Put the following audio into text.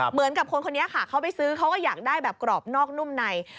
เหมือนกับคนคนนี้ค่ะเขาไปซื้อเขาก็อยากได้แบบกรอบนอกนุ่มใน